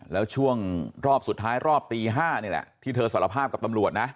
แล้วช่วงรอบสุดท้ายรอบตี๕นี่แหละที่เธอสารภาพกับตำรวจนะ